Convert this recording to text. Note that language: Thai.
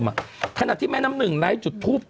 ถ้าหนักที่แม่น้ำหนึ่งไร้จุดทุบ